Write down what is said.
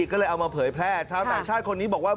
ก็เลยเอามาเผยแพร่ชาวต่างชาติคนนี้บอกว่า